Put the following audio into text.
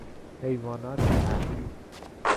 حیوانات اهلی